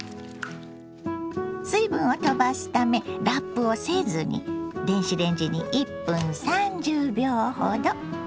水分をとばすためラップをせずに電子レンジに１分３０秒ほど。